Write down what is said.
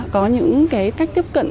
có những cái cách tiếp cận